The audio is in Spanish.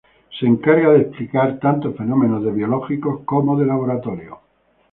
Se encarga de explicar tanto fenómenos biológicos como de laboratorio.